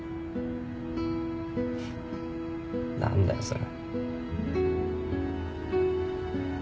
フッ何だよそれ。